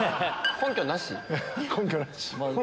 根拠なし。